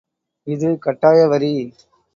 இது கட்டாய வரி.